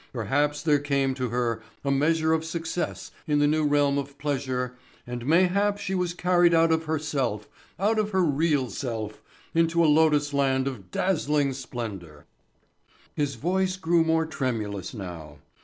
Perhaps there came to her a measure of success in the new realm of pleasure and mayhap she was carried out of herself, out of her real self, into a lotus land of dazzling splendor." His voice grew more tremulous now.